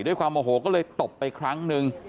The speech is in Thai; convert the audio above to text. ด้วยความโอโหก็เลยตบไปครั้งนึง